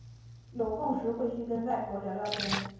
有空时会去跟外婆聊聊天